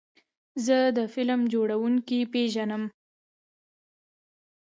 زه د فلم جوړونکي پیژنم.